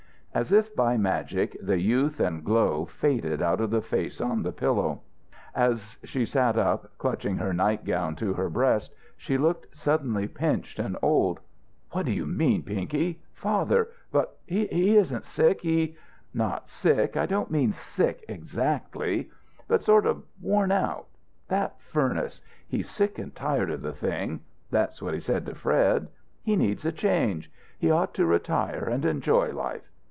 As if by magic the youth and glow faded out of the face on the pillow. As she sat up, clutching her nightgown to her breast, she looked suddenly pinched and old. "What do you mean, Pinky! Father but he isn't sick. He " "Not sick. I don't mean sick exactly. But sort of worn out. That furnace. He's sick and tired of the thing; that's what he said to Fred. He needs a change. He ought to retire and enjoy life.